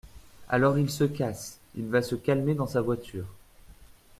Alors il se casse, il va se calmer dans sa voiture